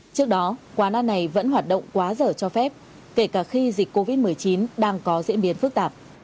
trước đó quán ăn này vẫn hoạt động quá dở cho phép kể cả khi dịch covid một mươi chín đang có diễn biến phức tạp